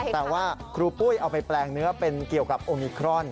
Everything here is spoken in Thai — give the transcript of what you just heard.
แต่ว่าครูปุ้ยเอาไปแปลงเนื้อเป็นเกี่ยวกับโอมิครอน